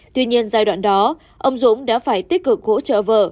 tuy nhiên giai đoạn đó ông dũng đã phải tích cực hỗ trợ vợ